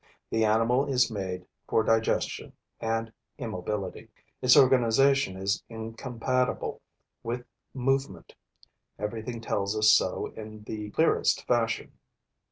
The animal is made for digestion and immobility. Its organization is incompatible with movement; everything tells us so in the clearest fashion.